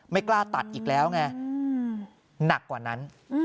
ไม่กล้าตัดอีกแล้วไงหนักกว่านั้น